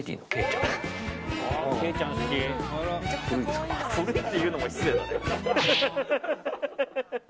古いって言うのも失礼だね。